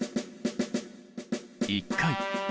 １回。